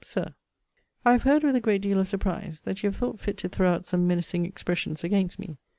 SIR, I have heard, with a great deal of surprise, that you have thought fit to throw out some menacing expressions against me.